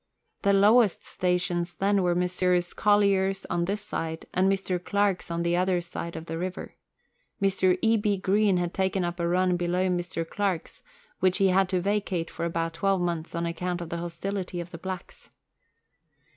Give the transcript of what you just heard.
The lowest stations then were Messrs. Collyer's on this side, and Mr. Clark's on the other side of the river. Mr. E. B. Green had taken up a run below Mr. Clark's, which he had to vacate for about twelve mouths on account of the hostility of the blacks.